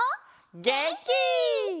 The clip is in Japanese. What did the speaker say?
げんき！